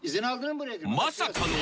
［まさかの］